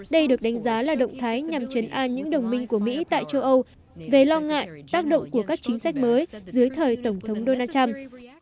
đây được đánh giá là động thái nhằm chấn an những đồng minh của mỹ tại châu âu về lo ngại tác động của các chính sách mới dưới thời tổng thống donald trump